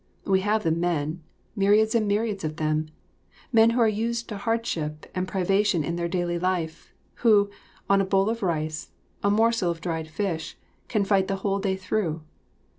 We have the men, myriads and myriads of them; men who are used to hardship and privation in their daily life, who, on a bowl of rice, a morsel of dried fish, can fight the whole day through.